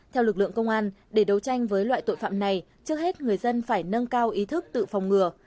theo lực lượng công an để đấu tranh với loại tội phạm này trước hết người dân phải nâng cao ý thức tự phòng ngừa